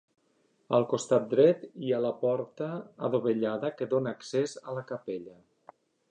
Al costat dret hi ha la porta adovellada que dóna accés a la capella.